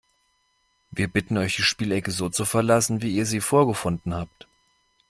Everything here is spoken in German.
Wir bitten euch, die Spielecke so zu verlassen, wie ihr sie vorgefunden habt!